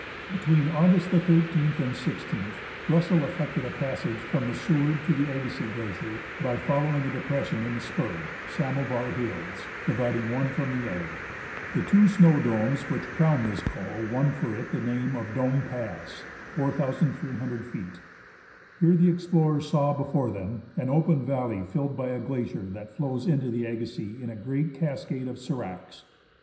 Between August the 13th and i6th, Russell effected a passage from the "Seward" to the " Agassi z " Glacier by following a depression in the spur (Samovar Hills) dividing one from the other. The two snow domes which crown this col won for it the name of Dome Pass (4,300 feet). Here the explorers saw before them an open valley filled by a glacier that flows into the Agassiz in a great cascade of sdracs.